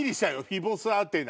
フィボス・アテナ。